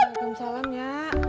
assalamualaikum salam ya